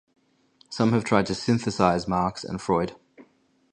Some have tried to "synthesize" Marx and Freud.